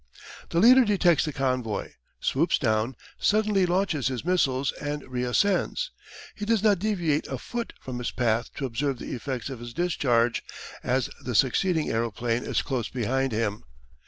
The leader detects the convoy, swoops down, suddenly launches his missiles, and re ascends. He does not deviate a foot from his path to observe the effects of his discharge, as the succeeding aeroplane is close behind him.